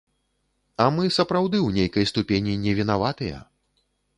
А мы сапраўды ў нейкай ступені не вінаватыя.